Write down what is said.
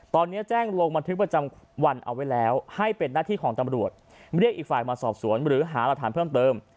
ตอนนี้แจ้งลงบันทึกประจำวันเอาไว้แล้วให้เป็นหน้าที่ของตำรวจเรียกอีกฝ่ายมาสอบสวนหรือหารักฐานเพิ่มเติม